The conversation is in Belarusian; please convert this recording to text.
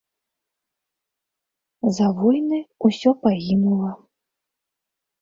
За войны ўсё пагінула.